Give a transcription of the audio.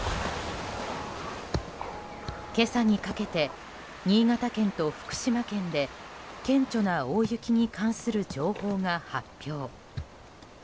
今朝にかけて、新潟県と福島県で顕著な大雪に関する情報が発表。